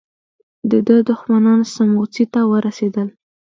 د ده دښمنان سموڅې ته ورسېدل.